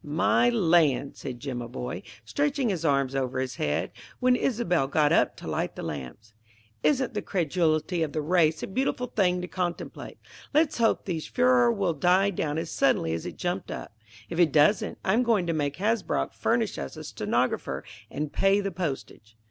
"My land!" said Jimaboy, stretching his arms over his head, when Isobel got up to light the lamps, "isn't the credulity of the race a beautiful thing to contemplate? Let's hope this furore will die down as suddenly as it jumped up. If it doesn't, I'm going to make Hasbrouck furnish us a stenographer and pay the postage."